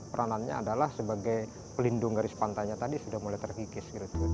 peranannya adalah sebagai pelindung garis pantainya tadi sudah mulai terkikis